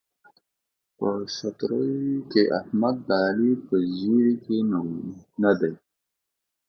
په ستروۍ کې احمد د علي په زېري کې نه دی.